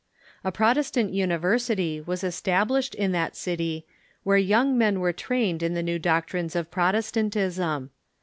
A Protestant university was established in that city, where young men were trained in the new doctrines of Protestantism.